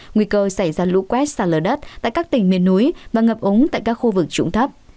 nguy cơ xảy ra lũ quét xa lở đất tại các tỉnh miền núi và ngập úng tại các khu vực trụng thấp